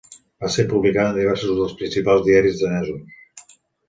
Va ser publicada en diversos dels principals diaris danesos.